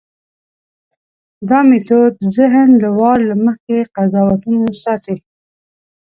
دا میتود ذهن له وار له مخکې قضاوتونو ساتي.